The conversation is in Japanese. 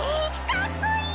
かっこいい！